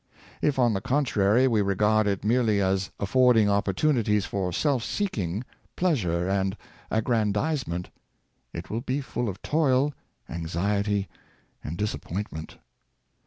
If, on the contrary, we regard it merely as affording opportunities for self seeking, pleasure, and aggrandizement, it will be full of toil, anxiety, and dis appointment.